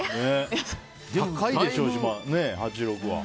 高いでしょうし、８６は。